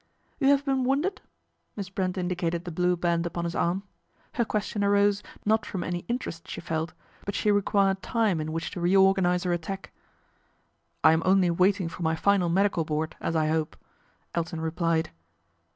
I "You have been wounded?" Miss Brent in dicated the blue band upon his arm. Her question arose, not from any interest she felt ; but she required time in which to reorganise her attack. " I am only waiting for my final medical board, as I hope," Elton replied.